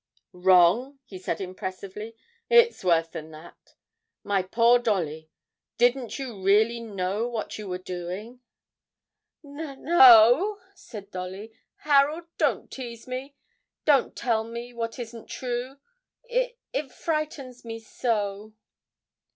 'Wrong!' he said impressively, 'it's worse than that. My poor Dolly, didn't you really know what you were doing?' 'N no,' said Dolly; 'Harold, don't tease me don't tell me what isn't true ... it it frightens me so!'